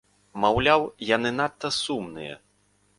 Маўляў, яны надта сумныя.